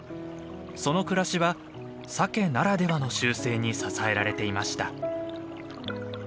その暮らしはサケならではの習性に支えられていました。